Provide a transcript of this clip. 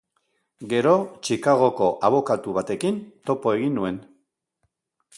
Gero, Chicagoko abokatu batekin topo egin nuen.